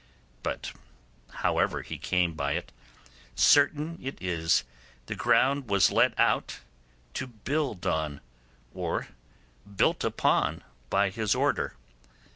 But however he came by it, certain it is the ground was let out to build on, or built upon, by his order.